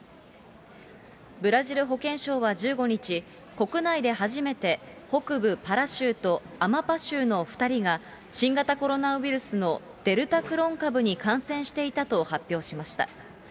ブラジル保健省は１５日、国内で初めて、北部パラ州とアマパ州の２人が、新型コロナウイルスのデルタクロン株に感染していたと発表しました。